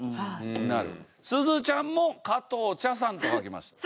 すずちゃんも加藤茶さんと書きました。